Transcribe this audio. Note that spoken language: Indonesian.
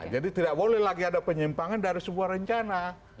jadi tidak boleh lagi ada penyimpangan dari sebuah rencana